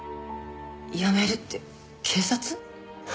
辞めるって警察？